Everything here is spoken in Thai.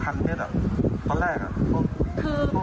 พออ่านปุ๊บคิดว่าเป็นคำเผลยของลูกค้า